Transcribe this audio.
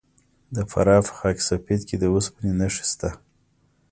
د فراه په خاک سفید کې د وسپنې نښې شته.